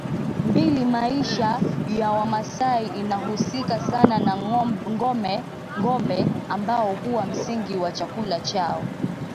mbili Maisha ya Wamasai inahusika sana na ngombe ambao huwa msingi wa chakula chao